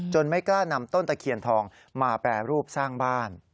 ไม่กล้านำต้นตะเคียนทองมาแปรรูปสร้างบ้าน